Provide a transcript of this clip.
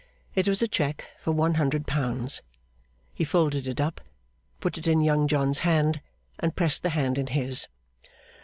It was a cheque for one hundred pounds. He folded it up, put it in Young John's hand, and pressed the hand in his.